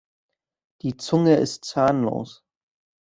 Die Zunge ist zahnlos.